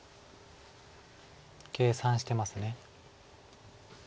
計算してます。